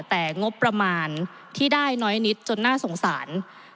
แต่งบประมาณที่ได้น้อยนิดจนน่าสงสาร